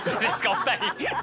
お二人！